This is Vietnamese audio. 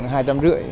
hai trăm rưỡi